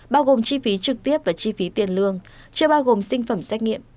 bao gồm chi phí trực tiếp và chi phí tiền lương chưa bao gồm sinh phẩm xét nghiệm